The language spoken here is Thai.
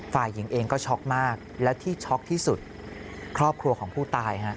ฝ่ายหญิงเองก็ช็อกมากและที่ช็อกที่สุดครอบครัวของผู้ตายฮะ